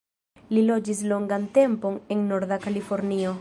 Li loĝis longan tempon en norda Kalifornio.